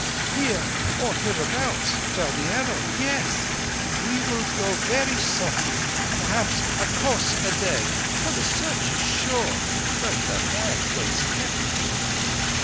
"Here, or hereabouts, fell the Arrow, yes. We will go very softly, perhaps, a kos a day, for the Search is sure. But the bag weighs heavy."